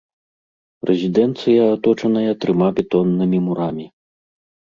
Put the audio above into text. Рэзідэнцыя аточаная трыма бетоннымі мурамі.